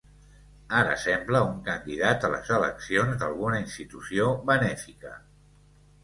Ara sembla un candidat a les eleccions d'alguna institució benèfica.